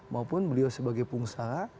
maupun beliau sebagai pengusaha